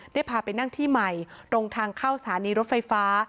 ได้พาไปนั่งที่ใหม่ตรงทางเข้าสถานีรถไฟฟ้า